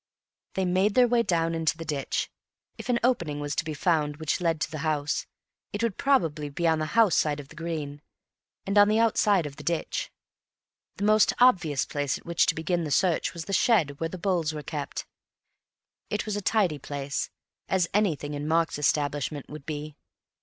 They made their way down into the ditch. If an opening was to be found which led to the house, it would probably be on the house side of the green, and on the outside of the ditch. The most obvious place at which to begin the search was the shed where the bowls were kept. It was a tidy place—as anything in Mark's establishment would be.